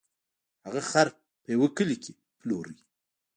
هغه خر په یوه کلي کې پلوره.